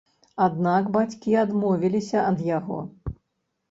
Аднак бацькі адмовіліся ад яго.